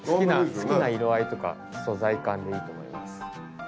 好きな色合いとか素材感でいいと思います。